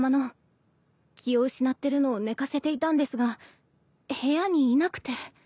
気を失ってるのを寝かせていたんですが部屋にいなくて。